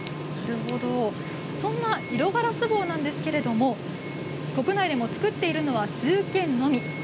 その色ガラス棒なんですが国内でも作っているのは数軒のみ。